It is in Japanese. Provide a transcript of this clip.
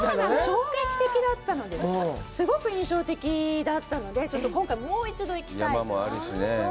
衝撃的だったので、すごく印象的だったので、ちょっと今回もう一度行きたいと。